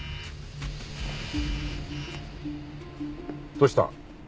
どうした？